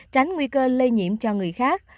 tránh nguy cơ lây nhiễm cho người khác